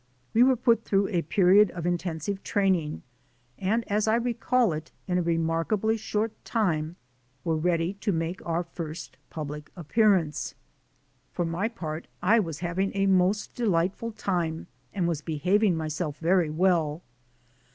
We were put through a period of intensive training, and as I recall it, in a remarkably short time were ready to make our first public appearance. For my part I was having a most delightful time and was behaving myself very well.